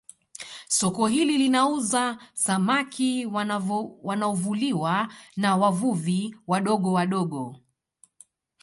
Soko hili linauza samaki wanaovuliwa na wavuvi wadogo wadogo